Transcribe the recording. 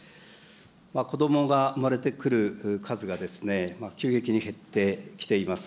子どもが生まれてくる数が急激に減ってきています。